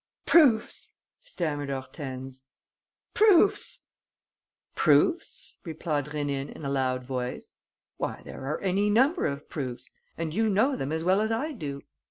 "Proofs!" stammered Hortense. "Proofs!" "Proofs?" replied Rénine, in a loud voice. "Why, there are any number of proofs; and you know them as well as I do.